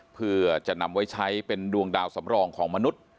เพื่อจะนำไว้ใช้เป็นดวงดาวสำรองของมนุษย์